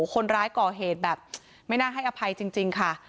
คนร้ายก่อเหตุแบบไม่น่าให้อภัยจริงค่ะ